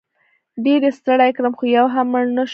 ډېر یې ستړی کړم خو یو هم مړ نه شو.